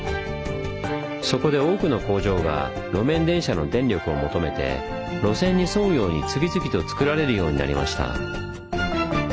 そこで多くの工場が路面電車の電力を求めて路線に沿うように次々とつくられるようになりました。